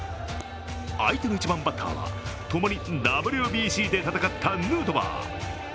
相手の１番バッターは、共にＷＢＣで戦ったヌートバー。